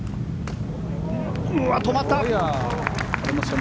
止まった！